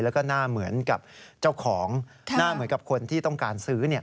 แล้วก็หน้าเหมือนกับเจ้าของหน้าเหมือนกับคนที่ต้องการซื้อ